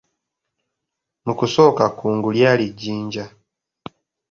Mu kusooka kkungu lyali Jjinja.